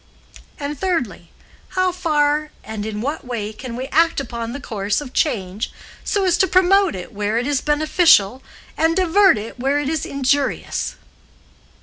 and thirdly, how far and in what way can we act upon the course of change so as to promote it where it is beneficial, and divert it where it is injurious?"